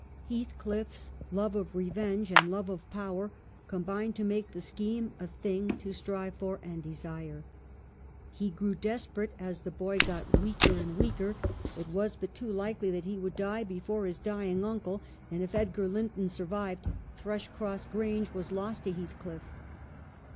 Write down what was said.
Heathcliff's love of revenge and love of power combined to make the scheme a thing to strive for and desire. He grew desperate as the boy got weaker and 268 EMILY BRONTE. weaker ; it was but too likely that he would die before his dying uncle, and, if Edgar Linton survived, Thrushcross Grange was lost to Heath cliff.